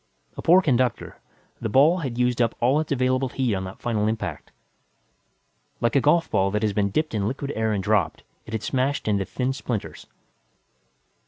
A poor conductor, the ball had used up all its available heat on that final impact. Like a golfball that has been dipped in liquid air and dropped, it had smashed into thin splinters.